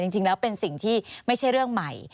จริงแล้วเป็นสิ่งที่ไม่ใช่เรื่องใหม่